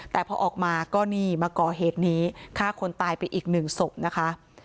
แต่พอออกมาก็นี่มาก่อเหตุนี้ฆ่าคนตายไปอีกหนึ่งศพนะคะ